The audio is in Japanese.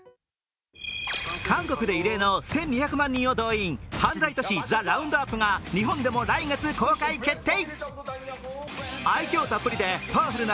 韓国で異例の１２００万人を動員犯罪都市「ＴＨＥＲＯＵＮＤＵＰ」が来月公開決定。